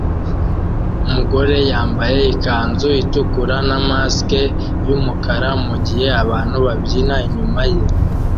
Umugore yambaye ikanzu itukura na mask yumukara mugihe abantu babyina inyuma ye